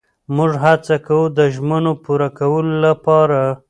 موږ هڅه کوو د ژمنو پوره کولو لپاره.